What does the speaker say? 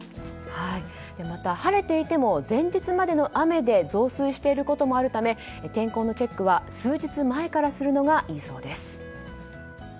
また晴れていても前日までの雨で増水していることもあるため天候のチェックは数日前からするのがいいそうです。